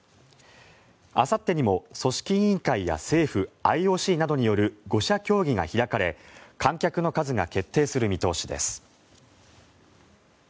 あさってにも組織委員会や政府、ＩＯＣなどによる５者協議が開かれ観客の数が決定する見通しです。